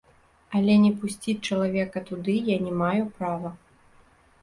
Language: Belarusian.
Але не пусціць чалавека туды я не маю права.